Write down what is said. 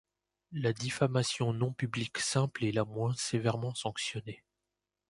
La diffamation non publique simple est la moins sévèrement sanctionnée.